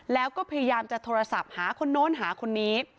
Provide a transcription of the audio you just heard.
แล้วก็พยายามจะโทรศัพท์หาคนโน้นหาคนนี้